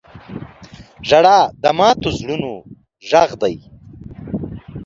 • ژړا د ماتو زړونو غږ دی.